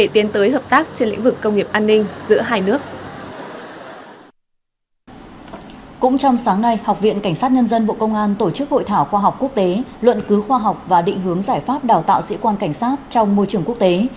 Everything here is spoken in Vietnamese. cũng trong sáng nay học viện cảnh sát nhân dân bộ công an tổ chức hội thảo khoa học quốc tế luận cứu khoa học và định hướng giải pháp đào tạo sĩ quan cảnh sát trong môi trường quốc tế